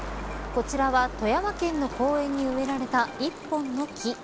こちらは富山県の公園に植えられた一本の木。